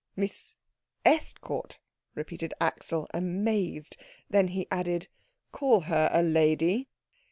"Miss Estcourt?" repeated Axel, amazed. Then he added, "Call her a lady."